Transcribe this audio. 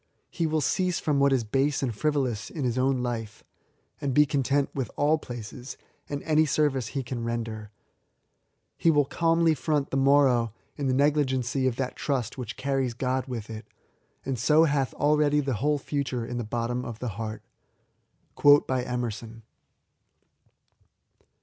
He will cease from what is base and frivolous in his own life, and be content with all places, and any sorvice he can render. He will calmly ttont the morrow in the neg^igenqr of that trust which carries God with it, and so hath already the whole Aiture in the bottom of the heart" Ehkrson.